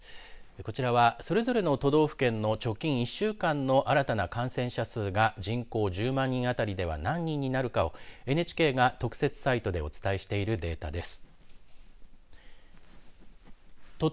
こちらは、それぞれの都道府県の直近１週間の新たな感染者数が人口１０万人当たりでは何人になるかをＮＨＫが特設サイトでお伝えしているデータです。